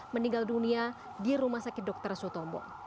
meninggal dunia di rumah sakit dr sutomo